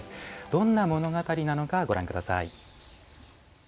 どんな物語なのかご覧ください。